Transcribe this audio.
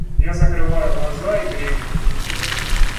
Я закрываю глаза и дремлю.